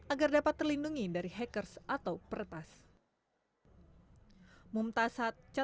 agar dapat terlindungi dari hackers atau peretas